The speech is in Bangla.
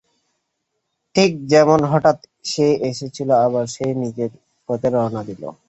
ঠিক যেমন হঠাৎ সে এসেছিল, আবার সে নিজের পথে রওয়ানা দিল।